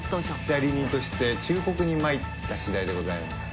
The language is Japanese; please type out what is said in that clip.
代理人として忠告に参った次第でございます。